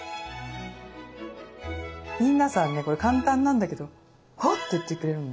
皆さんねこれ簡単なんだけどおって言ってくれるんで。